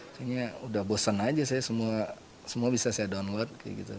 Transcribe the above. akhirnya sudah bosan saja saya semua bisa saya download